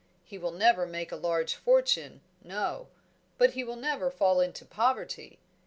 He will never make a large fortune, no; but he will never fall into poverty.